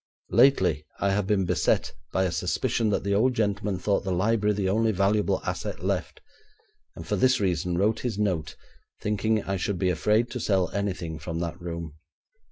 Lately, I have been beset by a suspicion that the old gentleman thought the library the only valuable asset left, and for this reason wrote his note, thinking I would be afraid to sell anything from that room.